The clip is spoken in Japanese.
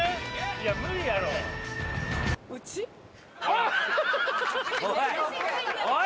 いや無理やろおい！